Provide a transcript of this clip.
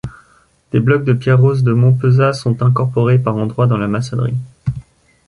Des blocs de pierre rose de Montpezat sont incorporés par endroits dans la maçonnerie.